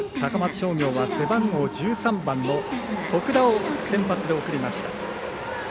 商業は背番号１３番の徳田を先発で送りました。